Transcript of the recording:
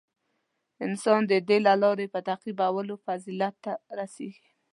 • انسان د دې د لارې په تعقیبولو فضیلت ته رسېږي.